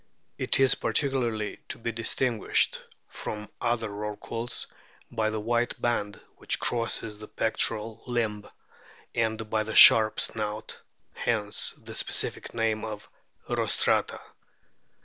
It is particularly to be distinguished from other Rorquals by the white band which crosses the pectoral limb, and by the sharp snout hence the specific name of "rostrata."